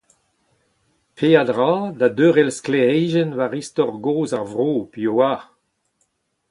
Peadra da deuler sklêrijenn war istor gozh ar vro, piv oar?